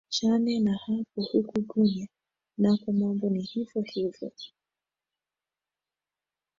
chane na hapo huko guinea nako mambo ni hivo hivo